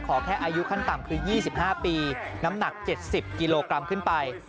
ขอแค่อายุขั้นต่ำคือ๒๕ปีน้ำหนัก๗๐กิโลกรัมขึ้นไป